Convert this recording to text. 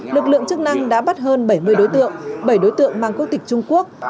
lực lượng chức năng đã bắt hơn bảy mươi đối tượng bảy đối tượng mang quốc tịch trung quốc